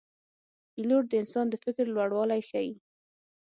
پیلوټ د انسان د فکر لوړوالی ښيي.